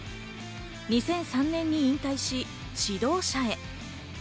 ２００３年に引退し、指導者へ。